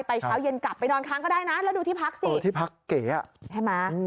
เช้าเย็นกลับไปนอนค้างก็ได้นะแล้วดูที่พักสิที่พักเก๋อ่ะใช่ไหม